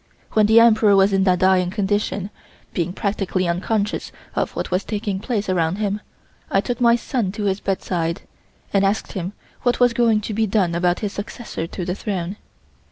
When the Emperor was in a dying condition, being practically unconscious of what was taking place around him, I took my son to his bedside and asked him what was going to be done about his successor to the throne.